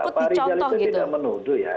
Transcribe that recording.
pak rizal itu tidak menuduh ya